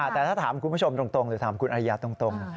แต่ถ้าถามคุณผู้ชมตรงหรือถามคุณอาริยาตรง